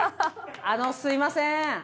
あのすいません！